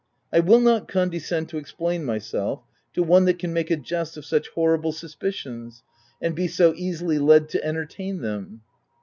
" I will not condescend to explain my self to one that can make a jest of such horrible suspicions, and be so easily led to entertain them.'